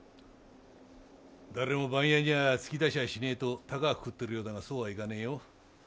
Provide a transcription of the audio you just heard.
誰も番屋には突き出しゃしねえとたかぁくくってるようだがそうはいかねえよ。